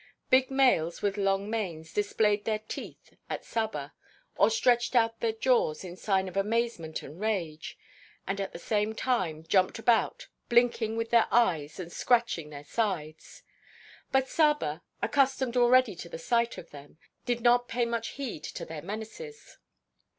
Big males with long manes displayed their teeth at Saba or stretched out their jaws in sign of amazement and rage, and at the same time jumped about, blinking with their eyes and scratching their sides. But Saba, accustomed already to the sight of them, did not pay much heed to their menaces.